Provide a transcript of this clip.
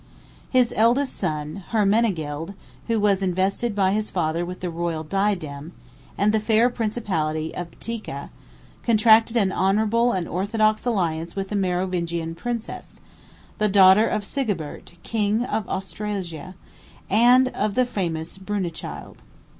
His eldest son Hermenegild, who was invested by his father with the royal diadem, and the fair principality of Boetica, contracted an honorable and orthodox alliance with a Merovingian princess, the daughter of Sigebert, king of Austrasia, and of the famous Brunechild.